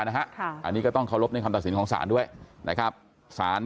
อันนี้ก็ต้องเคารพในคำตัดสินของศาลด้วยนะครับสาร